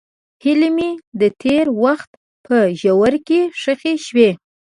هیلې مې د تېر وخت په ژوره کې ښخې شوې.